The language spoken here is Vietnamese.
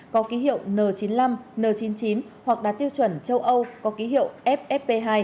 có ký hiệu n chín mươi năm n chín mươi chín hoặc đạt tiêu chuẩn châu âu có ký hiệu ffp hai